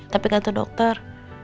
tapi kata dokter